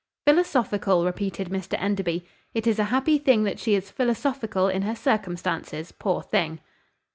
"Philosophical!" repeated Mr Enderby. "It is a happy thing that she is philosophical in her circumstances, poor thing!"